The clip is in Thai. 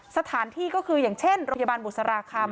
สถานที่ก็คืออย่างเช่นโรงพยาบาลบุษราคำ